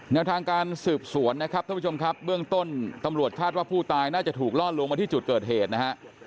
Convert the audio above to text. แนวทางการสืบสวนนะครับท่านผู้ชมครับเบื้องต้นตำรวจคาดว่าผู้ตายน่าจะถูกล่อลวงมาที่จุดเกิดเหตุนะฮะ